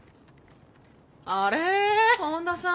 あれ本田さん